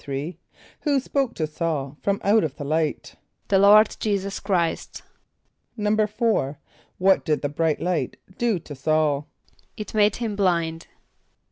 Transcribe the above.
= Who spoke to S[a:]ul from out of the light? =The Lord J[=e]´[s+]us Chr[=i]st.= =4.= What did the bright light do to S[a:]ul? =It made him blind.